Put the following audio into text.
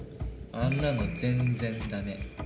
あんなの全然ダメ。